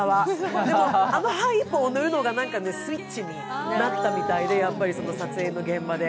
でもあの歯１本塗るのがスイッチになったみたいで撮影の現場で。